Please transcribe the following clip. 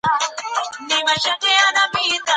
خدای حاضروئ.